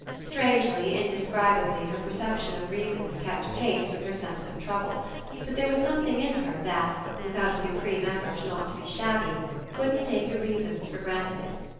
Strangely, indescribably her perception of reasons kept pace with her sense of trouble; but there was something in her that, without a supreme effort not to be shabby, couldn't take the reasons for granted.